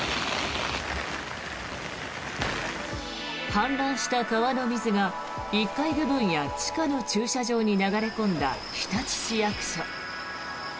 氾濫した川の水が１階部分や地下の駐車場に流れ込んだ日立市役所。